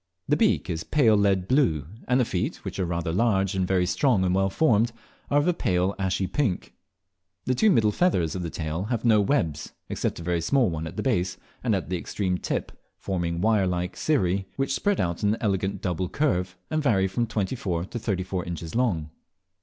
The beak is pale lead blue; and the feet, which are rather large and very strong and well formed, are of a pale ashy pink. The two middle feathers of the tail have no webs, except a very small one at the base and at the extreme tip, forming wire like cirrhi, which spread out in an elegant double curve, and vary from twenty four to thirty four inches long.